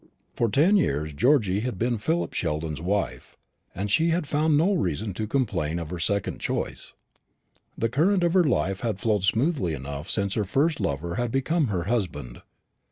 For ten years Georgy had been Philip Sheldon's wife, and she had found no reason to complain of her second choice. The current of her life had flowed smoothly enough since her first lover had become her husband.